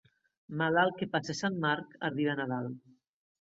Malalt que passa Sant Marc, arriba a Nadal.